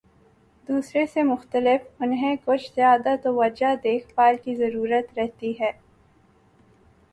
دوسرے سے مختلف، انہیں کچھ زیادہ توجہ، دیکھ بھال کی ضرورت رہتی ہے۔